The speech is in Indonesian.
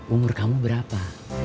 umur kamu berapa